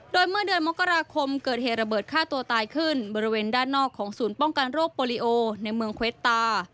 โดยเมื่อเดือนมกราคมเกิดเหตุระเบิดฆ่าตัวตายขึ้นบริเวณด้านนอกของศูนย์ป้องกันโรคโปรลิโอในเมืองเควตตา